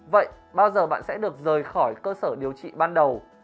vậy bao giờ bạn sẽ được rời khỏi cơ sở điều trị ban đầu